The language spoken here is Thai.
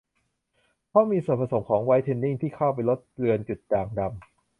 เพราะมีส่วนผสมของไวท์เทนนิ่งที่เข้าไปลดเลือนจุดด่างดำ